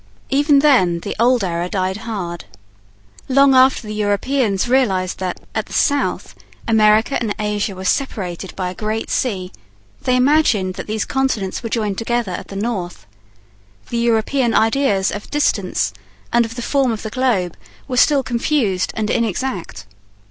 Even then the old error died hard. Long after the Europeans realized that, at the south, America and Asia were separated by a great sea, they imagined that these continents were joined together at the north. The European ideas of distance and of the form of the globe were still confused and inexact.